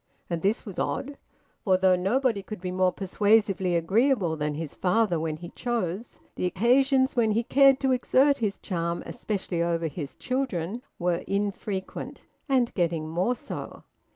And this was odd; for, though nobody could be more persuasively agreeable than his father when he chose, the occasions when he cared to exert his charm, especially over his children, were infrequent, and getting more so.